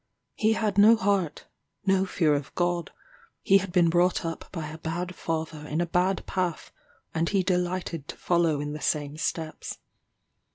He had no heart no fear of God; he had been brought up by a bad father in a bad path, and he delighted to follow in the same steps.